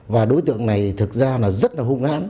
và đối tượng này thực ra rất là hung hãn